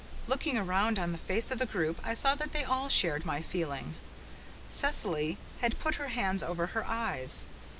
Looking around on the faces of the group, I saw that they all shared my feeling. Cecily had put her hands over her eyes.